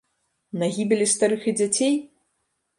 На гібелі старых і дзяцей?!